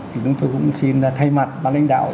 thì chúng tôi cũng xin thay mặt ban lãnh đạo